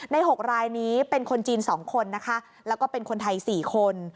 ๖รายนี้เป็นคนจีน๒คนนะคะแล้วก็เป็นคนไทย๔คน